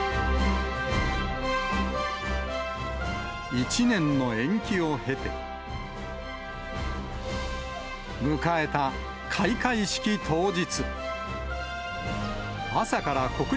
１年の延期を経て、迎えた開会式当日。